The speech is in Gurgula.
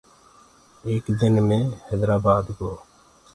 ايڪ دن مي هيدرآبآد گو۔